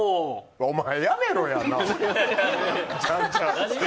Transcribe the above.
お前、やめろや。